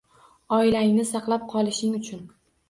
Oilangni saqlab qolishing uchun